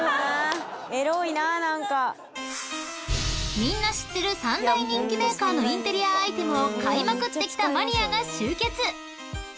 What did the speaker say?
［みんな知ってる３大人気メーカーのインテリアアイテムを買いまくってきたマニアが集結！］